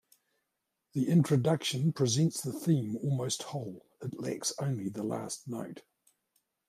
The introduction presents the theme almost whole: it lacks only the last note.